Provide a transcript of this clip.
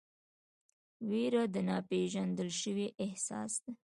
ویره د ناپېژندل شوي احساس ده.